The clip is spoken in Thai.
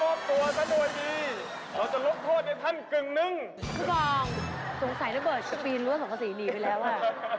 พูกองสงสัยนเบิร์ตปีนรถสองสี่หนีไปแล้วอ่ะ